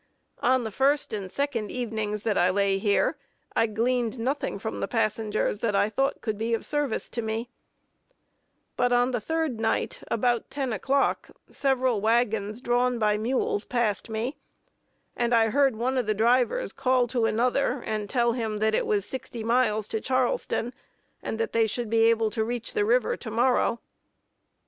On the first and second evenings that I lay here, I gleaned nothing from the passengers that I thought could be of service to me; but on the third night, about ten o'clock, several wagons drawn by mules passed me, and I heard one of the drivers call to another and tell him that it was sixty miles to Charleston; and that they should be able to reach the river to morrow.